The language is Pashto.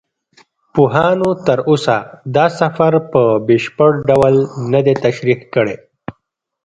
پوهانو تر اوسه دا سفر په بشپړ ډول نه دی تشریح کړی.